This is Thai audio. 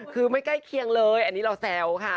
คือไม่ใกล้เคียงเลยอันนี้เราแซวค่ะ